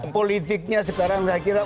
politiknya sekarang saya kira